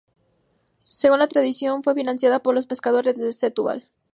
Según la tradición, fue financiada por los pescadores de Setúbal.